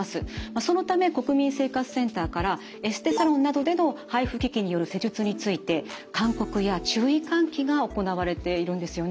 そのため国民生活センターからエステサロンなどでのＨＩＦＵ機器による施術について勧告や注意喚起が行われているんですよね